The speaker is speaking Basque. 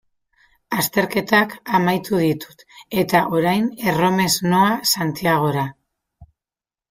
Azterketak amaitu ditut eta orain erromes noa Santiagora.